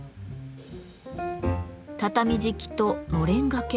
畳敷きとのれん掛け